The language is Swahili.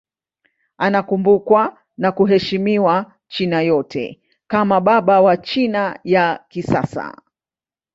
Anakumbukwa na kuheshimiwa China yote kama baba wa China ya kisasa.